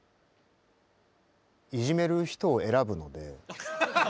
いじめる人を選ぶので。